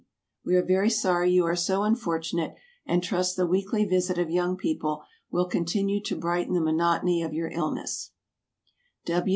We are very sorry you are so unfortunate, and trust the weekly visit of Young People will continue to brighten the monotony of your illness.